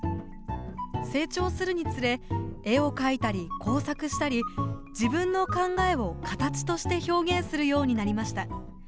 成長するにつれ絵を描いたり、工作したり自分の考えを形として表現するようになりました。